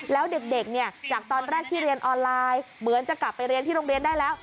แล้วเด็กเนี่ยจากตอนแรกที่เรียนออนไลน์เหมือนจะกลับไปเรียนที่โรงเรียนได้แล้ว